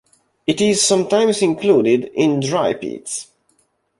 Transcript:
It is sometimes included in "Drypetes".